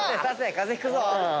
風邪ひくぞ。